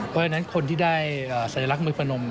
เพราะฉะนั้นคนที่ได้สัญลักษณ์มือพนม